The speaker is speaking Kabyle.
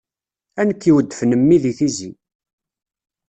A nekk iweddfen mmi di tizi!